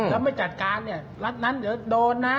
แล้วไม่จัดการเนี่ยรัฐนั้นเดี๋ยวโดนนะ